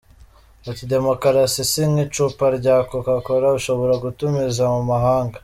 Ati “Demokarasi si nk’icupa rya Coca-Cola ushobora gutumiza mu mahanga.